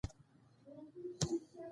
موټروان هارنونه وهل.